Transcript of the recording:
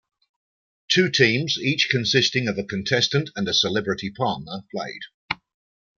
Two teams, each consisting of a contestant and a celebrity partner, played.